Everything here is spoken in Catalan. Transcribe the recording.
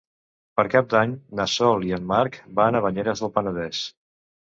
Per Cap d'Any na Sol i en Marc van a Banyeres del Penedès.